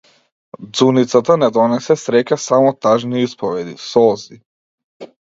Ѕуницата не донесе среќа, само тажни исповеди, солзи.